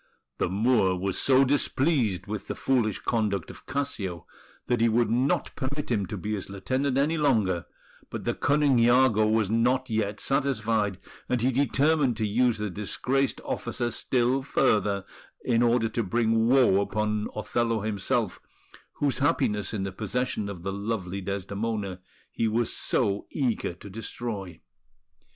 The Moor was so displeased with the foolish conduct of Cassio that he would not permit him to be his lieutenant any longer; but the cunning Iago was not yet satisfied, and he determined to use the disgraced officer still further, in order to bring woe upon Othello himself, whose happiness in the possession of the lovely Desdemona he was so eager to destroy.